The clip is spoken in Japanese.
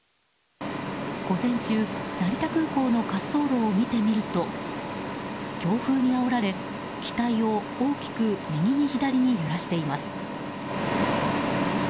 午前中、成田空港の滑走路を見てみると強風にあおられ、機体を大きく右に左に揺らしています。